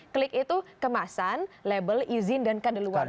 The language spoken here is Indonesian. klik itu kemasan label izin dan kandungan